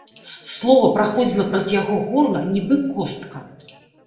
Слова праходзіла праз яго горла, нібы костка.